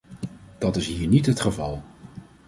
Dat is hier niet het geval.